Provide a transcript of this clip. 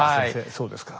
そうですか。